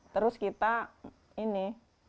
terus kita ini